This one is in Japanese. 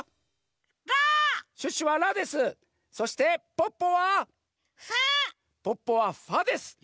ポッポはファです！